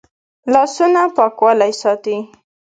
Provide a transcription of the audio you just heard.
لاسونه پاکوالی ساتي